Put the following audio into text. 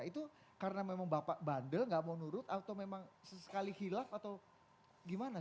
itu karena memang bapak bandel gak mau nurut atau memang sesekali hilaf atau gimana